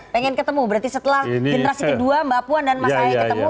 pengen ketemu berarti setelah generasi ke dua mbak puan dan mas aik ketemu